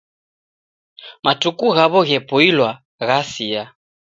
Matuku ghaw'o ghepoilwa ghasia.